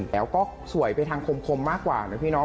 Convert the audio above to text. แล้วก็สวยไปทางคมมากกว่านะพี่น้อง